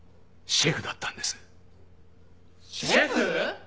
シェフ！？